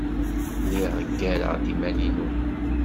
Lliɣ ggareɣ-d iman-inu.